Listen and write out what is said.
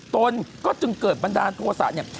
ตนก็จึงเกิดบันดาลโทษะเนี่ย